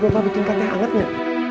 bapak bikinkan teh anget ya